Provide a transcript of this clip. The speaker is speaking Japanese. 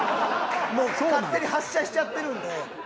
勝手に発車しちゃってるんで。